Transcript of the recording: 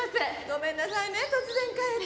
ごめんなさいね突然帰って。